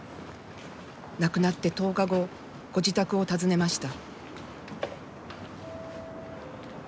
亡くなって１０日後ご自宅を訪ねました。